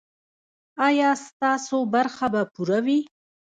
ایا ستاسو برخه به پوره وي؟